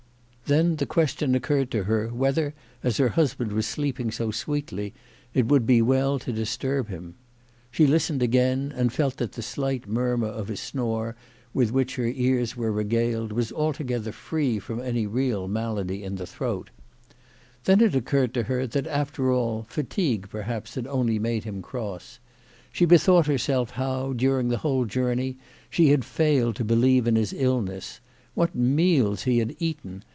Then the question occurred to her whether, as her husband was sleeping so sweetly, it would be well to disturb him. She lis >tened again, and felt that the slight murmur of a snore CHRISTMAS AT THOMPSON HALL. 215 with which, her ears were regaled was altogether free from any real malady in the throat. Then it occurred to her, that after all, fatigue perhaps had only made him cross. She bethought herself how, during the whole journey, she had failed to believe in his illness. What meals he had eaten